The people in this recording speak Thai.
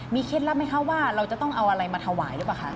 เคล็ดลับไหมคะว่าเราจะต้องเอาอะไรมาถวายหรือเปล่าคะ